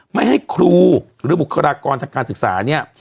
ไม่ให้ครูหรือบุคลากรทางการศึกษาเนี่ย